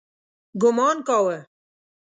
ګومان کاوه.